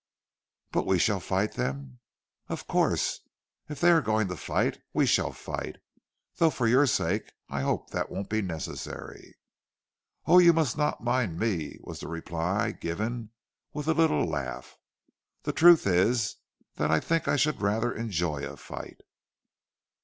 "But we shall fight them?" "Of course! If they are going to fight, we shall fight; though for your sake I hope that won't be necessary." "Oh, you must not mind me," was the reply, given with a little laugh. "The truth is that I think I should rather enjoy a fight."